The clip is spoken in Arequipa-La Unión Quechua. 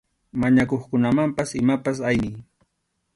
Mañakuqkunamanpas imapas ayniy.